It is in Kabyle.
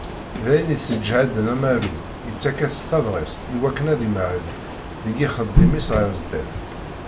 D ayen yesseǧhaden amaru, yettak-as tabɣest i wakken ad yemhez deg yixeddim-is ɣer sdat.